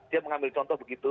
dia mengambil contoh begitu